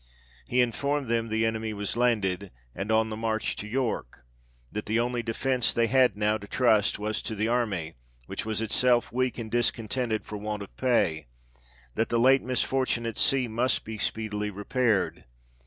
He informed them the enemy was landed, and on the march to York ; that the only defence they had now to trust to was the army, which was itself weak, and discontented for want of pay ; that the late misfortune at sea must be speedily repaired.